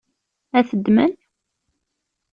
Ad t-ddmen?